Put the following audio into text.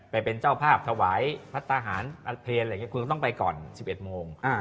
ไปเป็นเจ้าภาพถวายพัฒนาอาเทียนคุณก็ต้องไปก่อน๑๑โมง